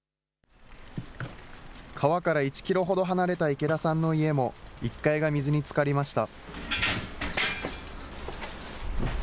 川から１キロほど離れた池田さんの家も、１階が水につかりました。